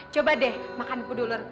coba deh makan putih ulur